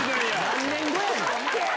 何年後やねん！